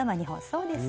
そうです！